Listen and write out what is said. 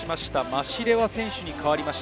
マシレワ選手に代わりま